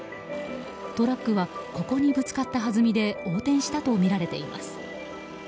トラックはここにぶつかったはずみで横転したとみられています。